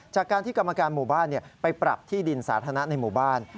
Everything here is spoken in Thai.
จากการที่กรรมการหมู่บ้านไปปรับที่ดินสาธารณะในหมู่บ้าน